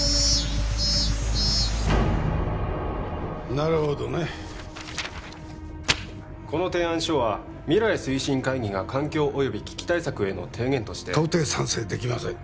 なるほどねこの提案書は未来推進会議が環境及び危機対策への提言として到底賛成できません